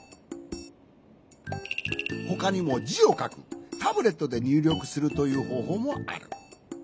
ほかにもじをかくタブレットでにゅうりょくするというほうほうもある。